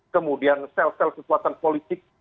kemudian sel sel kekuatan politik